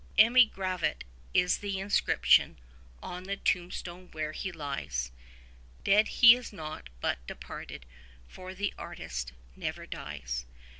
Emigravit is the inscription on the tombstone where he lies; 25 Dead he is not, but departed, for the artist never dies.